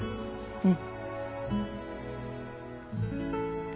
うん。